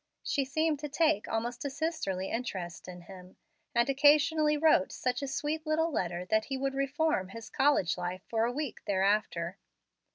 She seemed to take almost a sisterly interest in him, and occasionally wrote such a sweet little letter that he would reform his college life for a week thereafter.